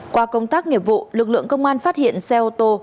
qua công tác nghiệp vụ lực lượng công an phát hiện xe ô tô